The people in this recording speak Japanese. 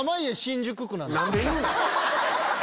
何で言うねん！